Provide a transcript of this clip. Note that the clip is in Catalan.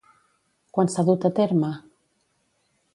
Quan s'ha dut a terme?